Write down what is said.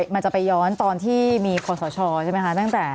มันจะไปย้อนตอนที่มีคอสชใช่ไหมคะ